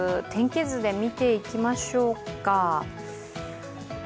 天気図で見ていきましょうか。